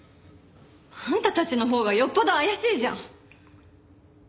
あんたたちのほうがよっぽど怪しいじゃん。